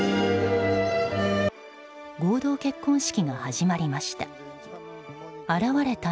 合同結婚式が始まりました。